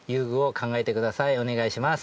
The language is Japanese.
お願いします。